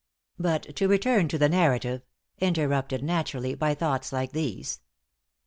But to return to the narrative interrupted, naturally, by thoughts like these.